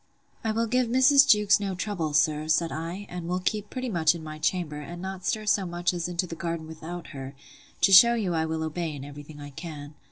I will give Mrs. Jewkes no trouble, sir, said I; and will keep pretty much in my chamber, and not stir so much as into the garden without her; to shew you I will obey in every thing I can.